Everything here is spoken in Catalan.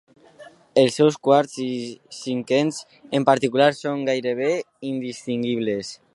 Els seus quarts i cinquens, en particular, són gairebé indistingibles.